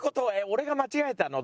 俺が間違えたの？